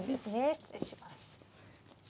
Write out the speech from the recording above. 失礼します。